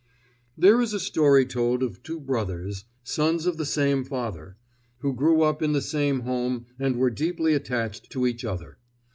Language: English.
There is a story told of two brothers, sons of the same father, who grew up in the same home and were deeply attached to each other.